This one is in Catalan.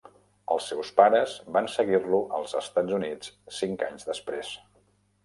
Els seus pares van seguir-lo als Estats Units cinc anys després.